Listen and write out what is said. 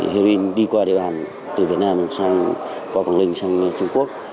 mà đối tượng đi qua địa bàn từ việt nam qua quảng ninh sang trung quốc